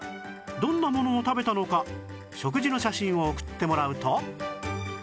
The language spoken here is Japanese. どんなものを食べたのか食事の写真を送ってもらうと